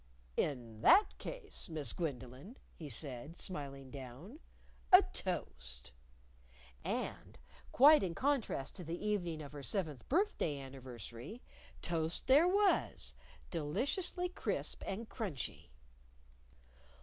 "In that case, Miss Gwendolyn," he said, smiling down, "a toast!" And quite in contrast to the evening of her seventh birthday anniversary toast there was, deliciously crisp and crunchy!